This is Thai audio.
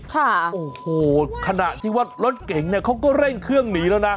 ค่ะโอ้โหขณะที่ว่ารถเก่งเนี่ยเขาก็เร่งเครื่องหนีแล้วนะ